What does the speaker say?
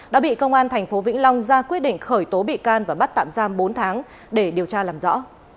đã bị công an tp vĩnh long ra quyết định khởi tố bị can và bắt tạm giam bốn tháng để điều tra làm rõ